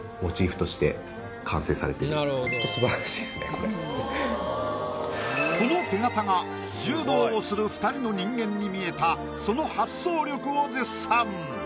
それがこの手形が柔道をする２人の人間に見えたその発想力を絶賛。